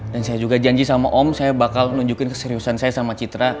dan saya juga janji sama om saya bakal nunjukin keseriusan saya sama citra